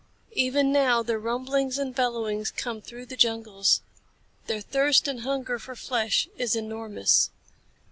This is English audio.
Even now their rumblings and bellowings come through the jungles. Their thirst and hunger for flesh is enormous."